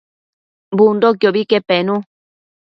Bundoquiobi que penu